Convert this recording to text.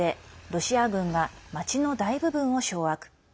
ロシア軍が街の大部分を掌握。